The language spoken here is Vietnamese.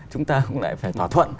chúng ta cũng lại phải tỏa thuận